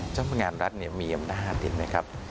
เจ้าพนักงานรัฐมีอำนาจเห็นไหมครับ